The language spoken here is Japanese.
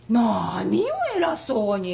何よ偉そうに！